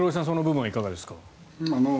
その部分はいかがですか。